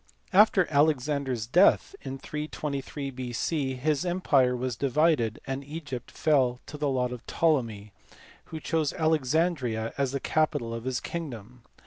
After Alexander s death in 323 B.C. his empire was divided, and Egypt fell to the lot of Ptolemy, who chose Alexandria as the capital of his kingdom.